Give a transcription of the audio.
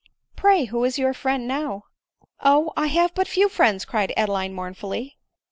Pray who is your friend now ?" w Oh ! I have but few friends," cried Adeline mourn fully.